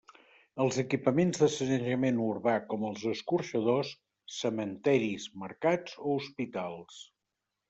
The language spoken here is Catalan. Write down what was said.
Els equipaments de sanejament urbà com els escorxadors, cementeris, mercats o hospitals.